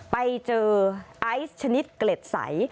ไปเจอไอซ์ชนิดเกล็ดใส